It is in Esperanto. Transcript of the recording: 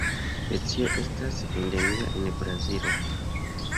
La specio estas endemio en Brazilo.